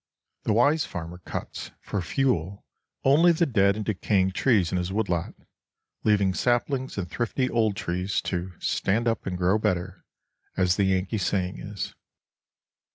The wise farmer cuts, for fuel, only the dead and decaying trees in his woodlot, leaving saplings and thrifty old trees to "stand up and grow better," as the Yankee saying is.